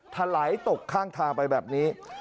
ถลายตกข้างทางไปแบบนี้